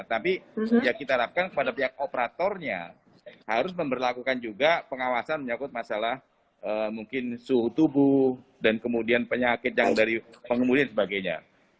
tapi ya kita harapkan kepada pihak operatornya harus memperlakukan juga pengawasan menyangkut masalah mungkin suhu tubuh dan kemudian penyakit yang dari pengemudi dan sebagainya